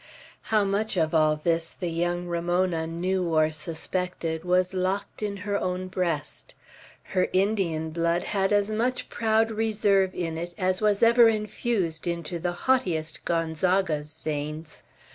How much of all this the young Ramona knew or suspected, was locked in her own breast. Her Indian blood had as much proud reserve in it as was ever infused into the haughtiest Gonzaga's veins.